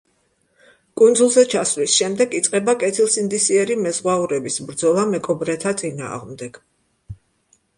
კუნძულზე ჩასვლის შემდეგ იწყება კეთილსინდისიერი მეზღვაურების ბრძოლა მეკობრეთა წინააღმდეგ.